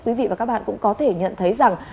quý vị và các bạn cũng có thể nhận thấy rằng